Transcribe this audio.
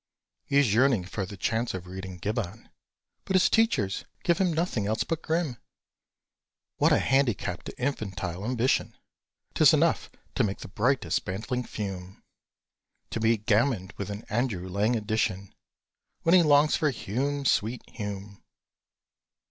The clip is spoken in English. He is yearning for the chance of reading Gibbon; But his teachers give him nothing else but Grimm! What a handicap to infantile ambition! 'Tis enough to make the brightest bantling fume, To be gammoned with an Andrew Lang edition, When he longs for Hume, sweet Hume!